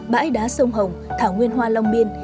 bãi đá sông hồng thảo nguyên hoa long biên